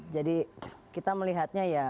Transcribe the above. jadi kita melihatnya ya